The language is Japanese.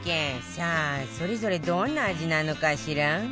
さあそれぞれどんな味なのかしら？